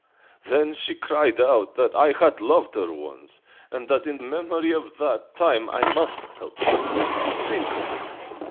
then she cried out that I had loved her once, and that in memory of that time I must help her. Think of it!